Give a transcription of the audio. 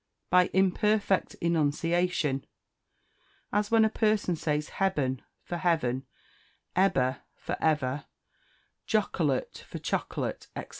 By Imperfect Enunciation, as when a person says hebben for heaven, ebber for ever, jocholate for chocolate, &c.